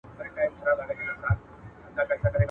اسان ئې نالول، چنگښو هم پښې پورته کړې.